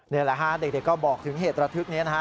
นี่แหละฮะเด็กก็บอกถึงเหตุระทึกนี้นะฮะ